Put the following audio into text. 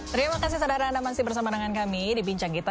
terima kasih saudara anda masih bersama dengan kami di bincang kita